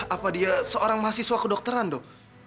apa dia seorang mahasiswa kedokteran dok